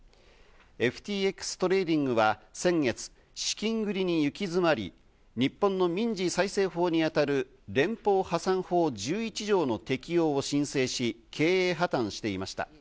ＦＴＸトレーディングは先月、資金繰りに行き詰まり、日本の民事再生法に当たる連邦破産法１１条の適用を申請し、経営破綻していました。